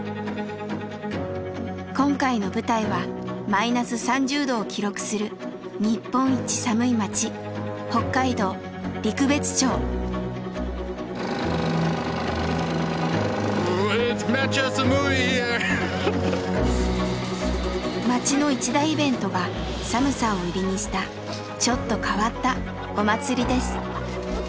今回の舞台はマイナス３０℃を記録する日本一寒い町町の一大イベントが「寒さ」を売りにしたちょっと変わった「お祭り」です。